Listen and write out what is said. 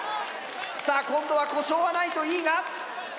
さあ今度は故障はないといいが！